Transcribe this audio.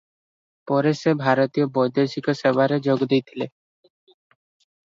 ପରେ ସେ ଭାରତୀୟ ବୈଦେଶିକ ସେବାରେ ଯୋଗଦେଇଥିଲେ ।